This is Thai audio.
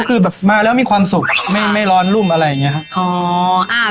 คือแบบมาแล้วมีความสุขไม่ร้อนรุ่มอะไรอย่างนี้ครับ